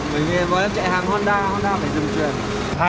mình vừa em chạy hàng honda honda phải dừng chuyền